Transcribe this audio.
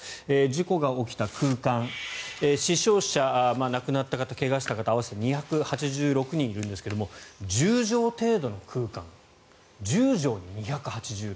事故が起きた空間死傷者、亡くなった方怪我した方合わせて２８６人いるんですが１０畳程度の空間１０畳に２８６人。